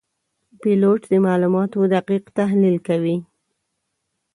پیلوټ د معلوماتو دقیق تحلیل کوي.